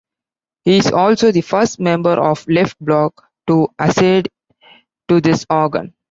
He is also the first member of Left Bloc to accede to this organ.